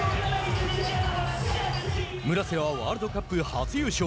村瀬はワールドカップ初優勝。